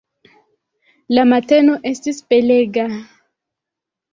La mateno estis belega.